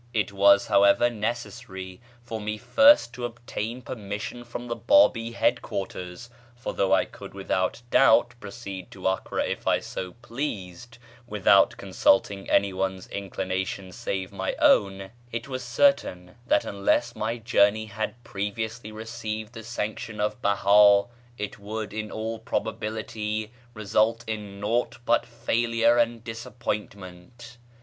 It was, however, necessary for me first to obtain permission from the Bábí head quarters; for though I could without doubt proceed to Acre if I so pleased without consulting any one's inclination save my own, it was certain that unless my journey had previously received the sanction of Behá it would in all probability result in naught but failure and disappointment.